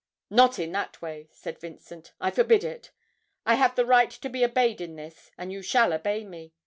'Not in that way,' said Vincent; 'I forbid it. I have the right to be obeyed in this, and you shall obey me.